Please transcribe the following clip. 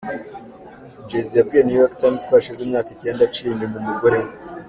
Jay z yabwiye New York Times ko hashize imyaka icyenda aciye inyuma umugore we.